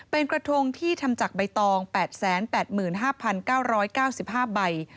เป็นกระทงที่ทำจากใบตอง๘๘๕๙๙๕ใบ